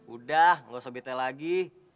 udah gak usah betel lagi